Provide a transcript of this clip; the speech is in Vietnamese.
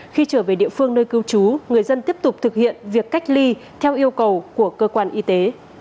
khi trở về địa phương nơi cư trú người dân tiếp tục thực hiện việc cách ly theo yêu cầu của cơ quan y tế